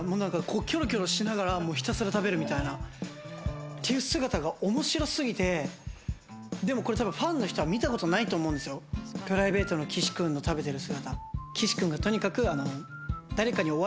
キョロキョロしながらひたすら食べるみたいな、という姿が面白すぎて、でもファンの方は見たことないと思うんですよ、プライベートの岸くんの食べてる姿。